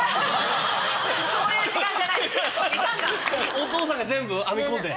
お父さんが全部編み込んで？